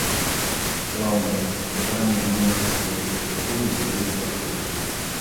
Праўда, пытанне занятасці выпускнікоў застаецца адкрытым.